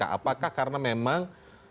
apakah karena memang